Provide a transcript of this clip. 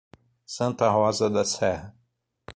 Santa Rosa da Serra